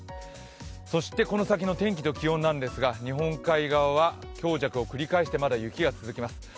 そしてこの先の天気と気温なんですが、日本海側は強弱を繰り返して雪が続きます。